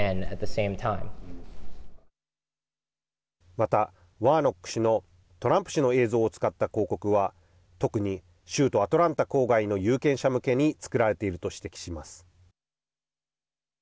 またワーノック氏のトランプ氏の映像を使った広告は特に州都アトランタ郊外の有権者向けに作られていると指摘します。